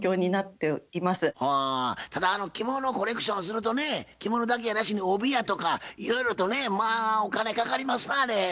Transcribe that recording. ただ着物をコレクションするとね着物だけやなしに帯やとかいろいろとねまあお金かかりますなあれ。